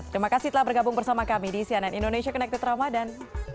terima kasih telah bergabung bersama kami di cnn indonesia connected ramadan